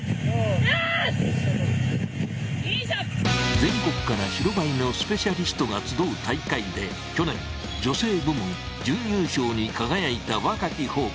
全国から白バイのスペシャリストが集う大会で去年女性部門準優勝に輝いた若きホープ